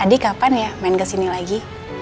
adi kapan ya main kesini lagi